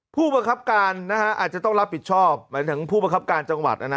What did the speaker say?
ผู้บังคับการนะฮะอาจจะต้องรับผิดชอบหมายถึงผู้ประคับการจังหวัดนะนะ